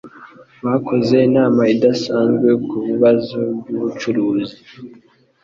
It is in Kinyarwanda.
Bakoze inama idasanzwe kubibazo byubucuruzi.